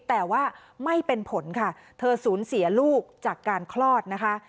แต่ว่าไม่เป็นผลค่ะเธอสูญเสียลูกจากการคลอดนะคะ